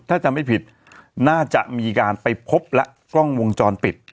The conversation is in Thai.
ถ้าจำไม่ผิดน่าจะมีการไปพบและกล้องวงจรปิด